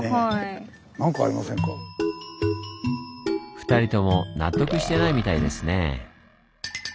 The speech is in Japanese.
２人とも納得してないみたいですねぇ。